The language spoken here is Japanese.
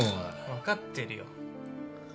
分かってるよ